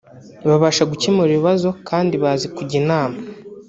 babasha gukemura ibibazo kandi bazi kujya inama